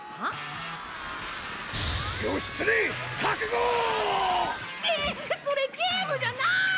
義経かくご！ってそれゲームじゃない！